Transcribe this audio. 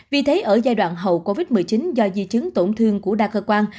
vì thế ở giai đoạn hậu covid một mươi chín do di chứng tổn thương của đa cơ quan